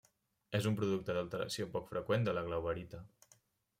És un producte d'alteració poc freqüent de la glauberita.